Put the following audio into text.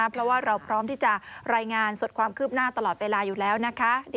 เพราะว่าเราพร้อมที่จะรายงานสดความคืบหน้าตลอดเวลาอยู่แล้วนะคะ